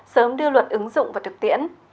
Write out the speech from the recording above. sớm đưa luật ứng dụng và thực tiễn